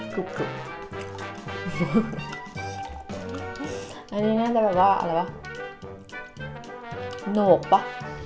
คือคืออันนี้น่าจะแบบว่าอะไรวะโหนกป่ะ